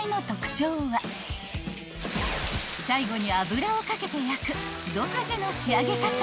［最後に油を掛けて焼く独自の仕上げ方］